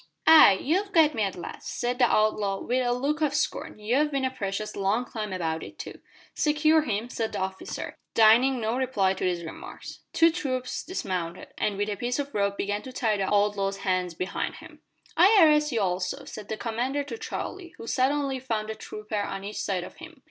"Ay, you've got me at last," said the outlaw, with a look of scorn. "You've bin a precious long time about it too." "Secure him," said the officer, deigning no reply to these remarks. Two troopers dismounted, and with a piece of rope began to tie the outlaw's hands behind him. "I arrest you also," said the commander to Charlie, who suddenly found a trooper on each side of him.